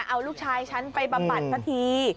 เอาลูกชายฉันไปบำบัดสักที